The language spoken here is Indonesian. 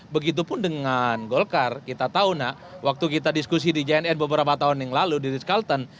begitupun dengan golkar kita tahu nak waktu kita diskusi di jnn beberapa tahun yang lalu di rizk callton